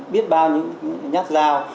biết bao những nhát dao